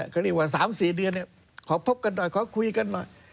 เขาเรียกว่า๓๔เดือนขอพบกันหน่อยขอคุยกันหน่อย